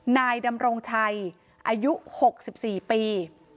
นายดำรงชัยอายุ๖๔ปี